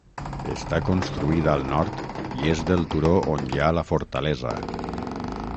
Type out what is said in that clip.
Està construïda al nord i és del turó on hi ha la fortalesa.